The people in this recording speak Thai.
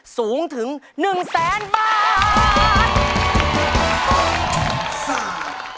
สูงถึง๑แสนบาท